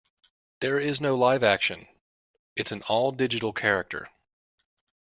There is no live action; it's an all-digital character.